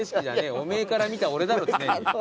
おめえから見た俺だろ常に。